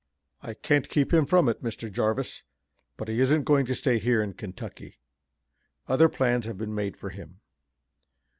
"I can't keep him from it, Mr. Jarvis, but he isn't going to stay here in Kentucky. Other plans have been made for him.